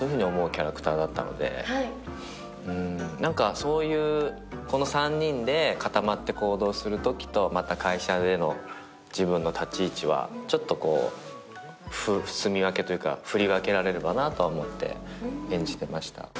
そういう３人で固まって行動するときと会社での自分の立ち位置はちょっと住み分けというか振り分けられればなと思って演じてました。